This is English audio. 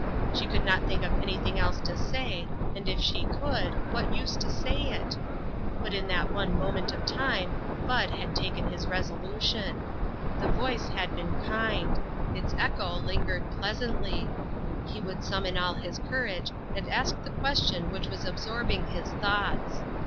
She could not think of any thing else to say, and if she could, what BUD IN SEARCH OF COMFORT. 2/9 use to say it? But in that one moment of time, Bud had taken his resolution. The voice had been kind ; its echo lingered pleasantly ; he would summon all his cour age and ask the question which was ab sorbing his thoughts.